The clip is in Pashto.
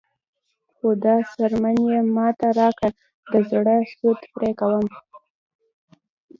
خو دا څرمن یې ماته راکړه د زړه سود پرې کوم.